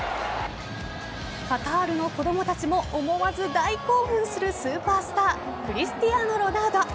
カタールの子供たちも思わず大興奮するスーパースタークリスティアーノ・ロナウド。